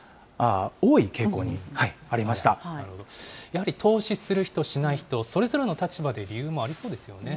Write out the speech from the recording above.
やはり投資する人、しない人、それぞれの立場で理由もありそうですよね。